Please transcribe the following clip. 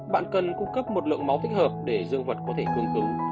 bạn cần cung cấp một lượng máu thích hợp để dương vật có thể cương cứu